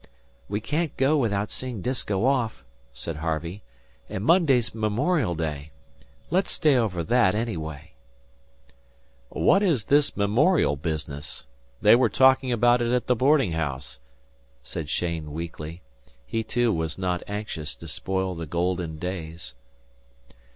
"We can't go without seeing Disko off," said Harvey; "and Monday's Memorial Day. Let's stay over that, anyway." "What is this memorial business? They were talking about it at the boarding house," said Cheyne weakly. He, too, was not anxious to spoil the golden days.